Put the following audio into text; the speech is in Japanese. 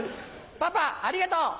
パパありがとう。